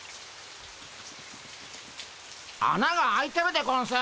あなが開いてるでゴンス。